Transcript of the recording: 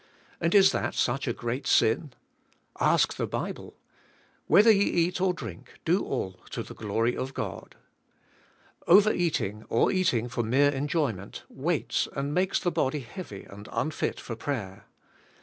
And is that such a great sin? Ask the Bible. "Whether ye eat or drink do all to the glory of God." Overeating or eating for mere enjoyment, weights and makes the body heavy and unfit for prayer.